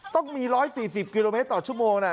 ต้องมี๑๔๐กิโลเมตรต่อชั่วโมงนะ